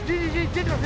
出てます！